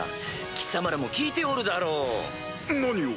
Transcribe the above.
貴様らも聞いておるだろう？何を？